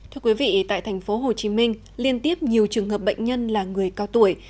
thưa quý vị tại thành phố hồ chí minh liên tiếp nhiều trường hợp bệnh nhân là người cao tuổi